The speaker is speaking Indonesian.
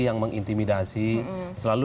yang mengintimidasi selalu